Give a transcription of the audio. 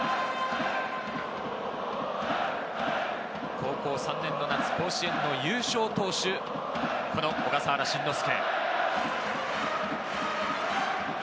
高校３年の夏、優勝投手・小笠原慎之介。